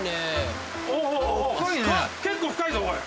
結構深いぞこれ。